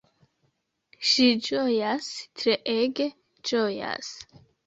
Ŝi ĝojas, treege ĝojas.